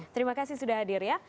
terima kasih sudah hadir ya